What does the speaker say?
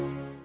kau ingat kan